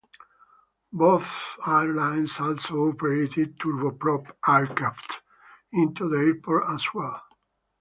Both airlines also operated turboprop aircraft into the airport as well.